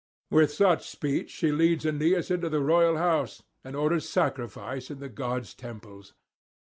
With such speech she leads Aeneas into the royal house, and orders sacrifice in the gods' temples.